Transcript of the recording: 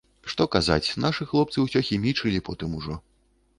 Што казаць, нашы хлопцы ўсе хімічылі потым ужо.